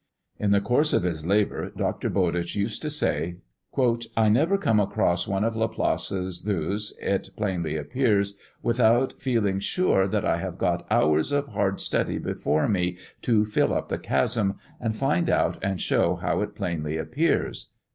In the course of his labour, Dr. Bowditch used to say, "I never come across one of Laplace's Thus it plainly appears, without feeling sure that I have got hours of hard study before me to fill up the chasm, and find out and show how it plainly appears."